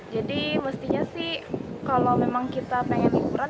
jadi mestinya sih kalau memang kita pengen liburan